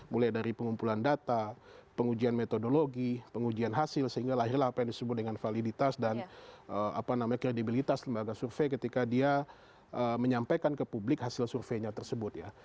mulai dari pengumpulan data pengujian metodologi pengujian hasil sehingga lahirlah apa yang disebut dengan validitas dan kredibilitas lembaga survei ketika dia menyampaikan ke publik hasil surveinya tersebut ya